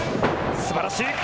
すばらしい。